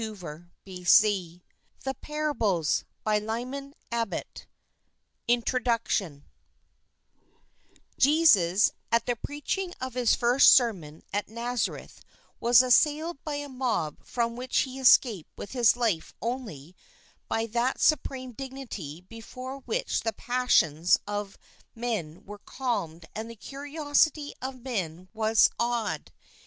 .182 B i g INTRODUCTION BY LYMAN ABBOTT INTRODUCTION BY LYMAN ABBOTT JESUS at the preaching of his first sermon at Nazareth was assailed by a mob from which he escaped with his life only by that supreme dignity before which the passions of men were calmed and the curiosity of men was awed.